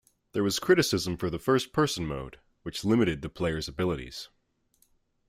There was criticism for the first person mode, which limited the player's abilities.